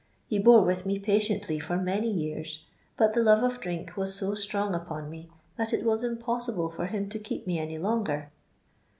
Be bore vrith toe patiently for many years, but th6 lovo of drink was s6 tttrmg upon me that it wris Impossible flnr him to keep me any longer."